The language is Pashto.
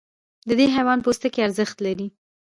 د دې حیوان پوستکی ارزښت لري.